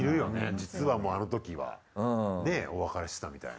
実はもうあのときはねっお別れしてたみたいな。